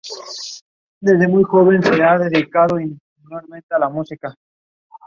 The following Chiefs were selected.